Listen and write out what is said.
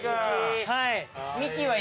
はい。